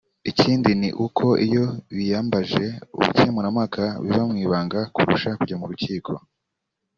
Ikindi ni uko iyo biyambaje ubukemurampaka biba mu ibanga kurusha kujya mu nkiko